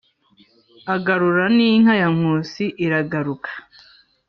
agarura n’inka ya nkusi iragaruka.